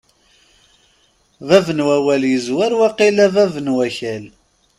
Bab n wawal yezwar waqila bab n wakal.